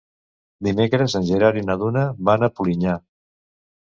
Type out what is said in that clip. Dimecres en Gerard i na Duna van a Polinyà.